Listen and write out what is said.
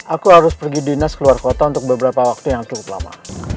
aku harus pergi dinas keluar kota untuk beberapa waktu yang cukup lama